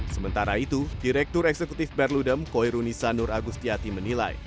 sementara itu direktur eksekutif berludem koirunisa nur agustiati menilai